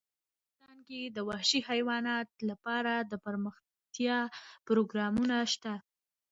افغانستان کې د وحشي حیوانات لپاره دپرمختیا پروګرامونه شته.